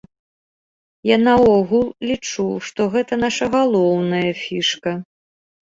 Я наогул лічу, што гэта наша галоўная фішка.